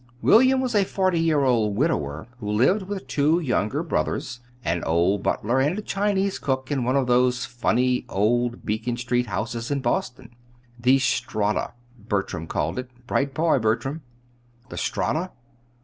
William was a forty year old widower who lived with two younger brothers, an old butler, and a Chinese cook in one of those funny old Beacon Street houses in Boston. 'The Strata,' Bertram called it. Bright boy Bertram!" "The Strata!"